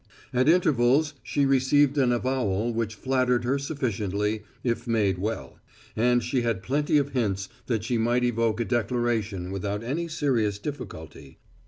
At intervals she received an avowal which flattered her sufficiently, if made well. And she had plenty of hints that she might evoke a declaration without any serious difficulty.